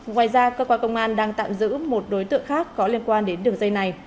ngoài ra cơ quan công an đang tạm giữ một đối tượng khác có liên quan đến đường dây này